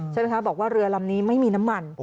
ใช่ไหมคะบอกว่าเรือลำนี้ไม่มีน้ำมัน